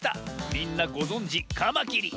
みんなごぞんじカマキリ！